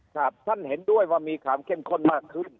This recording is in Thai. ท่านเห็นด้วยว่ามีความเข้มข้นมากขึ้น